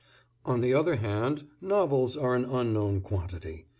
On the other hand, novels are an unknown quantity.